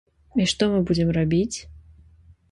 І што мы будзем рабіць?